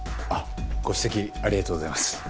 あっご指摘ありがとうございます。